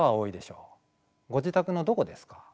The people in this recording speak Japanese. ご自宅のどこですか？